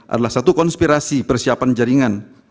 adalah satu konspirasi persiapan jaringan